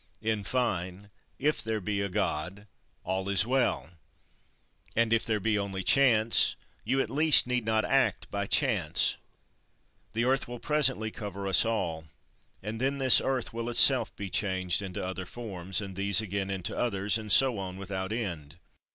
In fine, if there be a God, all is well; and if there be only chance, you at least need not act by chance. The earth will presently cover us all; and then this earth will itself be changed into other forms, and these again into others, and so on without end.